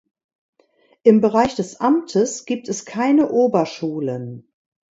Im Bereich des Amtes gibt es keine Oberschulen.